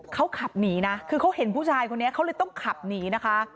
เขาขับหนีนะคือเขาเห็นผู้ชายคนนี้เขาเลยต้องขับหนีนะคะ